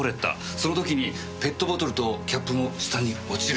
その時にペットボトルとキャップも下に落ちる。